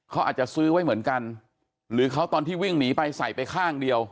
เขาอาจจะซื้อไว้เหมือนกันหรือเขาตอนที่วิ่งหนีไปใส่ไปข้างเดียว